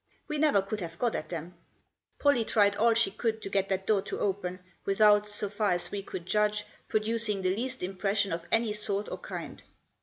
We never could have got at them. Pollie tried all she could to get that door to open, without, so far as we could judge, producing the least impression of any sort or kind.